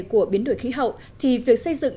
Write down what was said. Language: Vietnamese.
của biến đổi khí hậu thì việc xây dựng